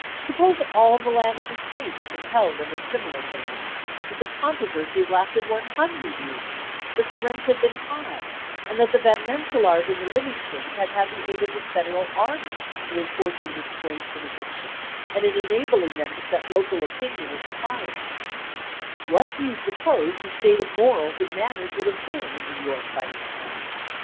Suppose all the land of the State had been held under similar tenures; that the controversy had lasted one hundred years; that the rents had been high; and that the Van Rensselaers and the Livingstons had had the aid of the Federal army in enforcing distraints and evictions, and in enabling them to set local opinion at defiance, what do you suppose the state of morals and manners would have been in New York by this time?